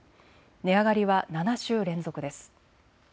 値上がりは７週連続です。